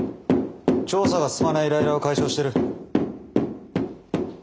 調査が進まないイライラを解消してる。